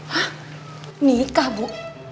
hah nikah bu